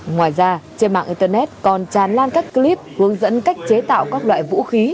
ngoài ra trên mạng internet còn tràn lan các clip hướng dẫn cách chế tạo các loại vũ khí